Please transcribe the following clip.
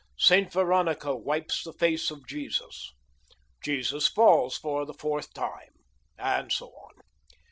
"Saint Veronica Wipes the Face of Jesus." "Jesus Falls for the Fourth Time," and so on.